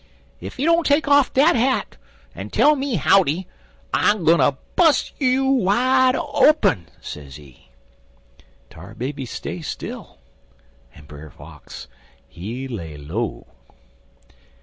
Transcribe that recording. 'Ef you don't take off dat hat en tell me howdy, I'm gwine ter bus' you wide open,' sezee. "Tar Baby stay still, en Brer Fox, he lay low.